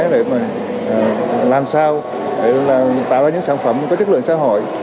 để mà làm sao để tạo ra những sản phẩm có chất lượng xã hội